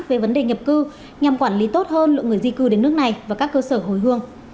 về vấn đề nhập cư nhằm quản lý tốt hơn lượng người di cư đến nước này và các cơ sở hồi hương